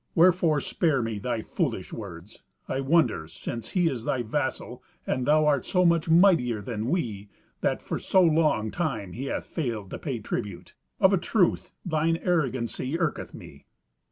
Wherefore, spare me thy foolish words. I wonder, since he is thy vassal, and thou art so much mightier than we, that for so long time he hath failed to pay tribute. Of a truth thine arrogancy irketh me."